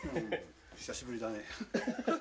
久しぶりだね。